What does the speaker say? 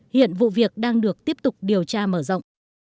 hiện vụ việc đang được tiếp tục điều tra mở rộng